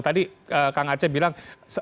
tadi kang aceh bilang